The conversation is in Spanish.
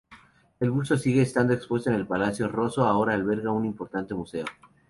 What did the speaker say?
El busto sigue estando expuesto en el Palacio Rosso, ahora alberga un importante museo.